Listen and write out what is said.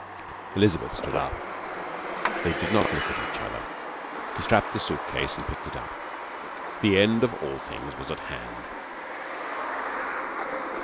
Elizabeth stood up. They did not look at each other. He strapped the suitcase and picked it up. The end of all things was at hand.